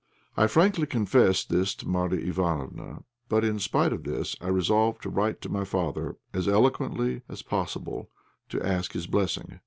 I frankly confessed this to Marya Ivánofna, but in spite of this I resolved to write to my father as eloquently as possible to ask his blessing.